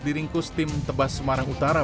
diringkus tim tebas semarang utara